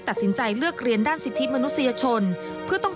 มาช่วยพ่อกับแม่ที่โดนคดีแล้วก็น้อง